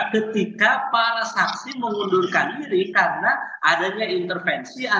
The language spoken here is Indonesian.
ketika para saksi mengundurkan diri karena adanya intervensi